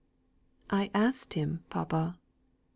"I asked him, papa."